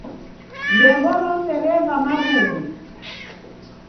Ndembo rose reva marughu.